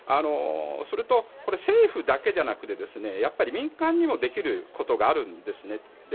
それと、政府だけじゃなくてやっぱり民間にもできることがあるんですね。